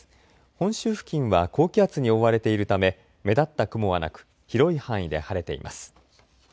本州付近は高気圧に覆われているため目立った雲はなく広い範囲で晴れています。